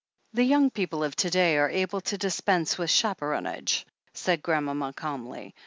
"The young people of to day are able to dispense with chaperonage," said grandmama calmly.